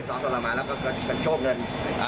ซ้อมตรมานแล้วก็กระโชคเงิน